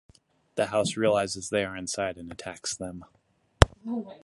The house realizes they are inside and attacks them.